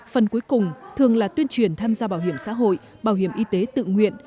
phần cuối cùng thường là tuyên truyền tham gia bảo hiểm xã hội bảo hiểm y tế tự nguyện